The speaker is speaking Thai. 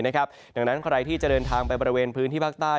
ดังนั้นใครที่จะเดินทางไปบริเวณพื้นที่ภาคใต้